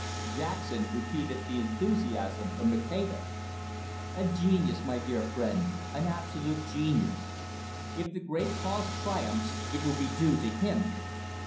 Jackson repeated the enthusiasm of Maceda. "A genius, my dear friend, an absolute genius. If the great cause triumphs, it will be due to him."